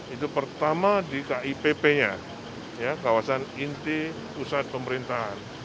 itu pertama di kipp nya kawasan inti pusat pemerintahan